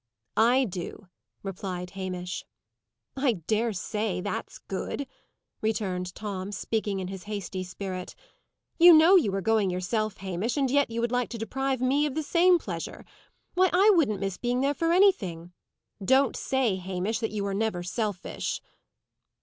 "I do," replied Hamish. "I dare say! that's good!" returned Tom, speaking in his hasty spirit. "You know you are going yourself, Hamish, and yet you would like to deprive me of the same pleasure. Why, I wouldn't miss being there for anything! Don't say, Hamish, that you are never selfish."